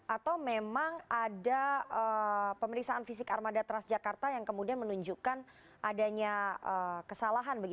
atau memang ada pemeriksaan fisik armada transjakarta yang kemudian menunjukkan adanya kesalahan